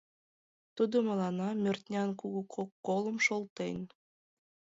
Тудо мыланна мӧртнян кугу кок колым шолтен.